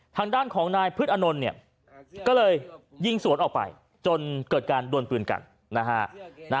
ทางด้านของนายพฤทธิ์อนนท์ก็เลยยิงสวนออกไปจนเกิดการโดนปืนกัน